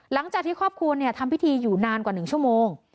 หลังจากที่ครอบครัวทำพิธีอยู่นานกว่า๑ชั่วโมง